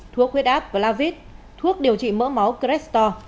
thuốc huyết áp blavit thuốc điều trị mỡ máu crestor